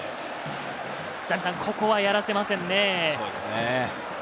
ここはやらせませんね。